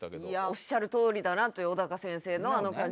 おっしゃるとおりだなという小高先生のあの感じ。